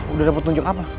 udah dapet petunjuk apa